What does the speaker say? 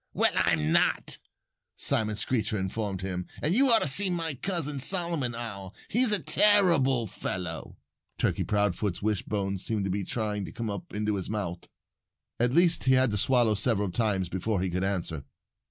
"Well, I'm not!" Simon Screecher informed him. "And you ought to see my cousin, Solomon Owl. He's a terrible fellow." Turkey Proudfoot's wishbone seemed to be trying to come up into his month. At least, he had to swallow several times before he could answer.